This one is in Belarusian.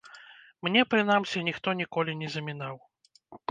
Мне, прынамсі, ніхто ніколі не замінаў.